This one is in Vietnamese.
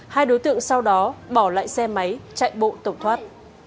hai đối tượng sau đó bỏ lại xe máy chạy bộ tổng thoát